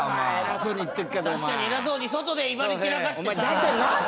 確かに偉そうに外で威張り散らかしてさ。